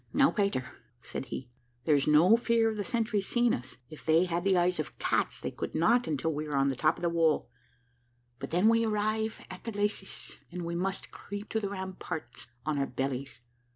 "Now, Peter," said he, "there is no fear of the sentries seeing us; if they had the eyes of cats, they could not until we are on the top of the wall; but then we arrive at the glacis, and we must creep to the ramparts on our bellies.